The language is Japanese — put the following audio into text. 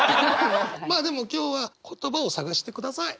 まあでも今日は言葉を探してください。